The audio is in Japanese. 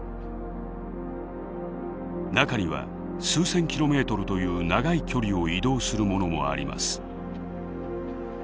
中には数千キロメートルという長い距離を移動するものもあります。